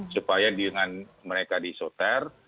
supaya dengan mereka diisoter